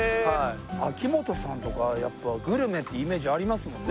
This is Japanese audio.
秋元さんとかグルメってイメージありますもんね